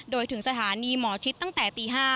โดยถึงสถานีหมอชิดตั้งแต่ตี๕